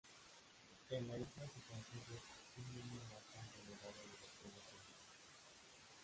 En la isla se consume un número bastante elevado de botellas de whisky.